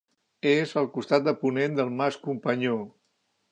És al costat de ponent del Mas Companyó.